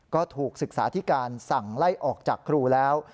ก็ถูกศึกษาธิการสั่งไล่ออกจากครูแล้ว